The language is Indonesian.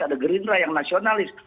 ada gerindra yang nasionalis